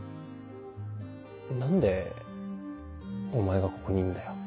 何でお前がここにいんだよ。